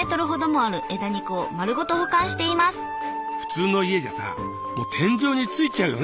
普通の家じゃさもう天井についちゃうよね